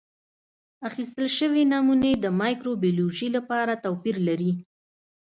اخیستل شوې نمونې د مایکروبیولوژي لپاره توپیر لري.